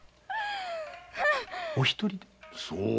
お一人で？